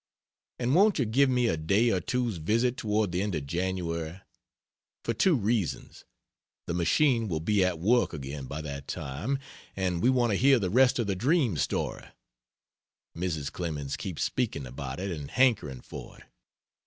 And won't you give me a day or two's visit toward the end of January? For two reasons: the machine will be at work again by that time, and we want to hear the rest of the dream story; Mrs. Clemens keeps speaking about it and hankering for it.